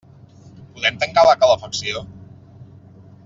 Podem tancar la calefacció?